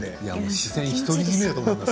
視線独り占めだと思います。